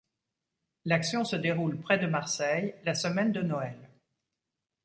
L'action se déroule près de Marseille, la semaine de Noël.